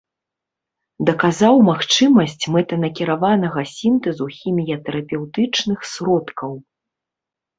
Даказаў магчымасць мэтанакіраванага сінтэзу хіміятэрапеўтычных сродкаў.